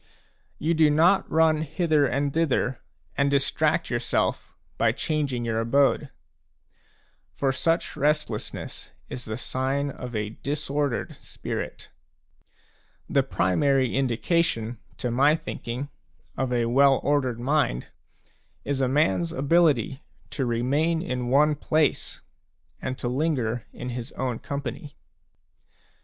You do not run hither and thither and distract yourself by changing your abode ; for such restlessness is the sign of a disordered spirit. The primary indication, to my thinking, of a well ordered mind is a man's ability to remain in one place and linger in his own company.